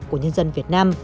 của nhân dân việt nam